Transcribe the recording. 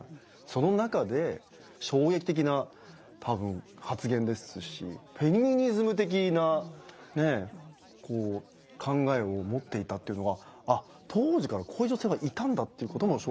その中で衝撃的な多分発言ですしフェミニズム的なね考えを持っていたというのはあ当時からこういう女性はいたんだということも衝撃でしたね。